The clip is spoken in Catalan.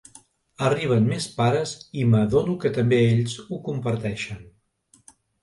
Arriben més pares i m'adono que també ells ho comparteixen.